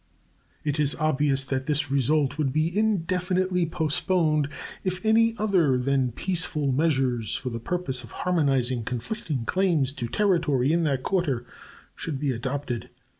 It is obvious that this result would be indefinitely postponed if any other than peaceful measures for the purpose of harmonizing conflicting claims to territory in that quarter should be adopted.